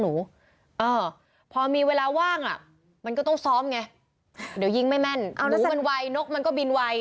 หูมันไวนกมันก็บินไว